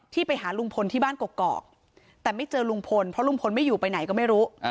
ไปหาลุงพลที่บ้านกอกแต่ไม่เจอลุงพลเพราะลุงพลไม่อยู่ไปไหนก็ไม่รู้